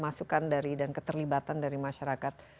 masukan dari dan keterlibatan dari masyarakat